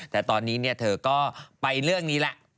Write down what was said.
แต่ตอนนี้เนี่ยเธอก็ไปเรื่องนี้ล่ะ